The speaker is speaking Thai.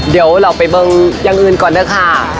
เดี๋ยวเราไปเบิ้งอย่างอื่นก่อนเถอะค่ะ